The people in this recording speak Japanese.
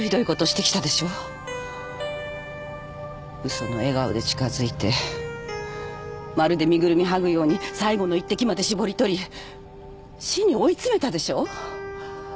嘘の笑顔で近づいてまるで身ぐるみはぐように最後の一滴まで搾り取り死に追い詰めたでしょう？